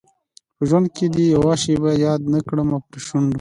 په ژوند کي دي یوه شېبه یاد نه کړمه پر شونډو